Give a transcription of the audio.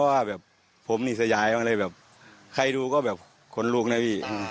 ใบหน้าผมก็แบบผมเนี่ยสยายนี่ใครดูก็คนลูกเลย